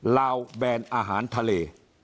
ลาวแบนอาหารทะเล